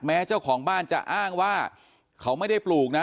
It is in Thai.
เจ้าของบ้านจะอ้างว่าเขาไม่ได้ปลูกนะ